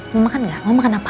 mau makan gak mau makan apa